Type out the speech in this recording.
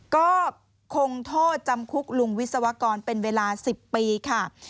ก็คงโทษจำคุกลุงวิศวกรเป็นเวลา๑๐ปีค่ะ